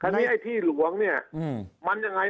คราวนี้เจ้าหน้าที่ป่าไม้รับรองแนวเนี่ยจะต้องเป็นหนังสือจากอธิบดี